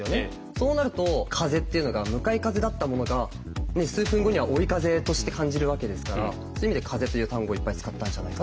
そうなると風っていうのが向かい風だったものが数分後には追い風として感じるわけですからそういう意味で「風」という単語いっぱい使ったんじゃないかなと思いました。